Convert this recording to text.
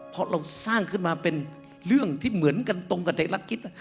เพราะเราสร้างขึ้นมาเป็นเรื่องที่เหมือนกันตรงกับเด็กรัฐคิด